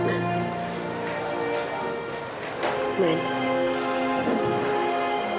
kamu udah pernah berdua